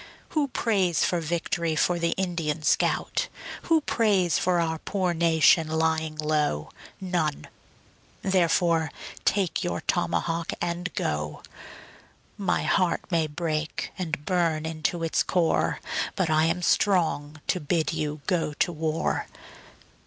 Who prays for vict'ry for the Indian scout? Who prays for our poor nation lying low? None therefore take your tomahawk and go. My heart may break and burn into its core, But I am strong to bid you go to war.